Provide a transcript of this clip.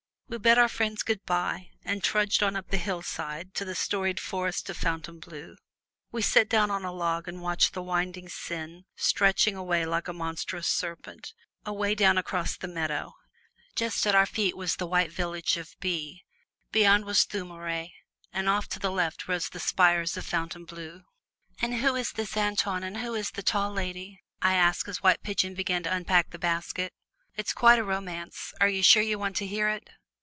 We bade our friends good by and trudged on up the hillside to the storied Forest of Fontainebleau. We sat down on a log and watched the winding Seine stretching away like a monstrous serpent, away down across the meadow; just at our feet was the white village of By; beyond was Thomeray, and off to the left rose the spires of Fontainebleau. "And who is this Antoine and who is the Tall Lady?" I asked, as White Pigeon began to unpack the basket. "It's quite a romance; are you sure you want to hear it?"